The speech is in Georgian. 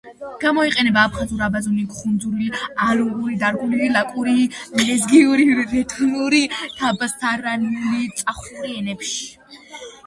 გამოიყენება აფხაზურ, აბაზური, ხუნძური, აღულური, დარგუული, ლაკური, ლეზგიური, რუთულური, თაბასარანული, წახური ენებში.